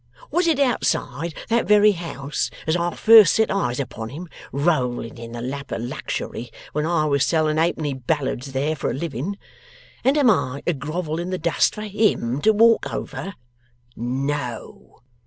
Was it outside that very house as I first set eyes upon him, rolling in the lap of luxury, when I was selling halfpenny ballads there for a living? And am I to grovel in the dust for HIM to walk over? No!